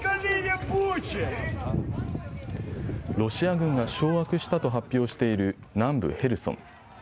ロシア軍が掌握したと発表している南部ヘルソン。